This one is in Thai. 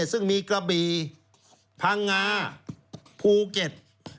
ซึ่งมีกระบี่พังงาภูเก็ต